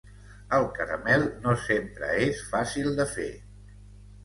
El caramel no sempre és fàcil de fer